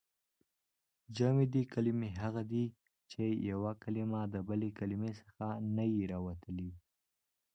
جامدي کلیمې هغه دي، چي یوه کلیمه د بلي کلیمې څخه نه يي راوتلي.